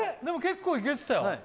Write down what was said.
でも結構いけてたよ